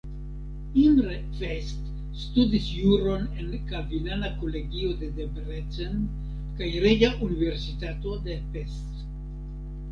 Imre Fest studis juron en kalvinana kolegio de Debrecen kaj Reĝa Universitato de Pest.